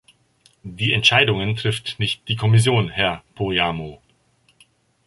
Die Entscheidungen trifft nicht die Kommission, Herr Pohjamo.